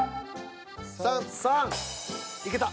３。いけた。